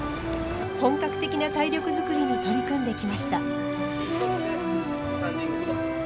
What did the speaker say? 本格的な体力作りに取り組んできました。